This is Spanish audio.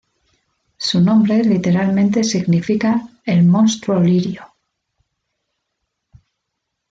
Su nombre literalmente significa "el monstruo Lirio".